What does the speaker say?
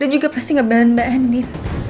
dan juga pasti nggak bahan mbak andin